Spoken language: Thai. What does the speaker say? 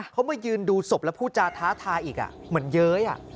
เขามายืนดูศพแล้วพูดจาท้าทายอีกเหมือนเย้ย